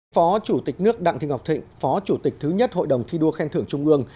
phó chủ tịch nước đặng thị ngọc thịnh phó chủ tịch thứ nhất hội đồng thi đua khen thưởng trung ương